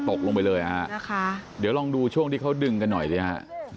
ตกลงไปเลยฮะนะคะเดี๋ยวลองดูช่วงที่เขาดึงกันหน่อยสิฮะ